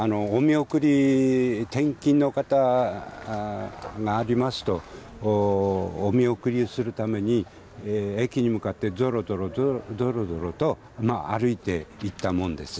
ですから、お見送り、転勤の方がありますと、お見送りするために、駅に向かってぞろぞろぞろぞろと歩いていったもんです。